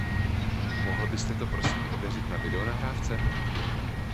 Mohl byste to prosím ověřit na videonahrávce?